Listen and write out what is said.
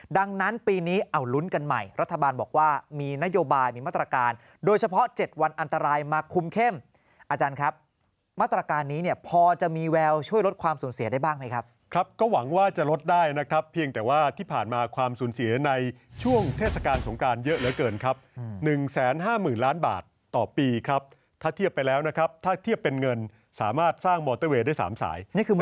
กันใหม่รัฐบาลบอกว่ามีนโยบายมีมาตรการโดยเฉพาะ๗วันอันตรายมาคุมเข้มอาจารย์ครับมาตรการนี้เนี่ยพอจะมีแววช่วยลดความสูญเสียได้บ้างไหมครับครับก็หวังว่าจะลดได้นะครับเพียงแต่ว่าที่ผ่านมาความสูญเสียในช่วงเทศกาลสงคราญเยอะเหลือเกินครับ๑๕๐ล้านบาทต่อปีครับถ้าเทียบไปแล้วนะครับถ้า